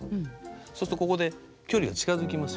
そうするとここで距離が近づきます。